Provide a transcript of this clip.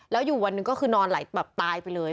แล้วอยู่วันหนึ่งก็คือนอนไหลแบบตายไปเลย